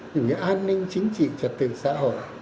những cái an ninh chính trị trật tự xã hội